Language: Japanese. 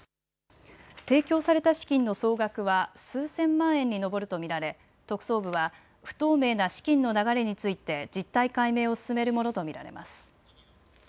提供された資金の総額は数千万円に上るとみられ、特捜部は不透明な資金の流れについて実態解明を進めるものとみられます。